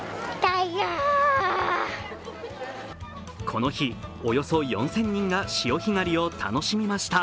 この日、およそ４０００人が潮干狩りを楽しみました。